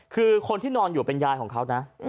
คือคนที่นอนอยู่เป็นยายของเขานะ